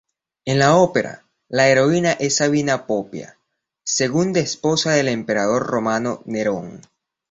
En la ópera, la heroína es Sabina Popea, segunda esposa del Emperador romano Nerón.